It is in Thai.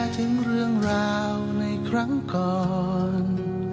ทุกครั้งก่อน